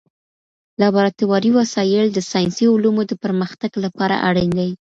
لابراتواري وسایل د ساینسي علومو د پرمختګ لپاره اړین دي.